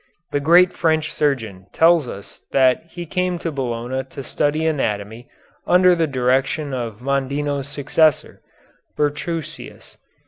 The great French surgeon tells us that he came to Bologna to study anatomy under the direction of Mondino's successor, Bertruccius.